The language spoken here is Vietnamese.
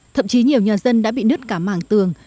thậm chí nhiều nhà dân đã bị nứt cả mảng tường